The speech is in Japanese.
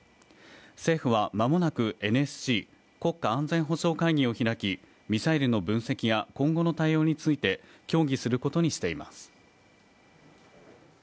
政府は間もなくＮＳＣ＝国家安全保障会議を開きミサイルの分析や今後の対応について協議することにしています。